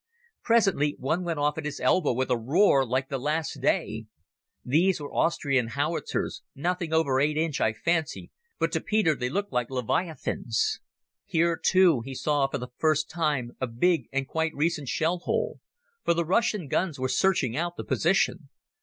Presently one went off at his elbow with a roar like the Last Day. These were Austrian howitzers—nothing over eight inch, I fancy, but to Peter they looked like leviathans. Here, too, he saw for the first time a big and quite recent shell hole, for the Russian guns were searching out the position.